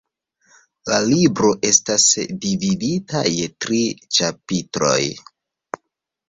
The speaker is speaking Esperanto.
La libro estas dividita je tri ĉapitroj.